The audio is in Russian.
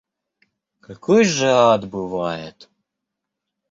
Какой же ад бывает